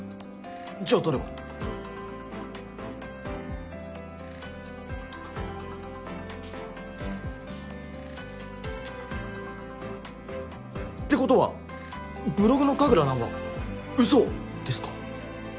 じゃあ誰が。ってことはブログの神楽蘭は嘘ですか？